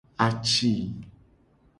Aci.